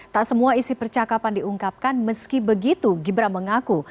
tak semua isi percakapan diungkapkan meski begitu gibran mengaku